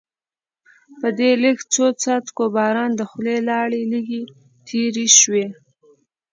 په دې لږو څو څاڅکو باران د خولې لاړې لږې تېرې شوې.